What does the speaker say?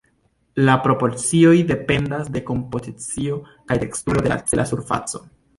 La proporcioj dependas de kompozicio kaj teksturo de la cela surfaco.